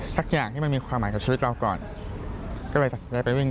สักอย่างที่มันมีความหมายกับชีวิตเราก่อนก็เลยไปวิ่ง